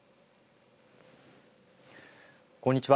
こんにちは。